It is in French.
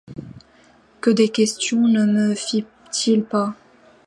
Que de questions ne me fit-il pas !